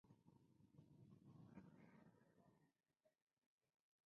Actualmente no lo emplea más que la Guardia Suiza.